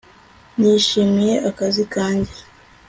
nishimiye akazi kanjye